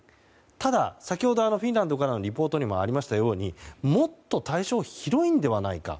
ただ、先ほどフィンランドからのリポートにもありましたようにもっと対象は広いのではないか。